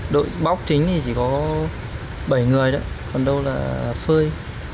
đội bóc chính thì chỉ có bảy người đó còn đâu là phơi